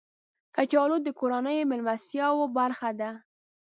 کچالو د کورنیو میلمستیاو برخه ده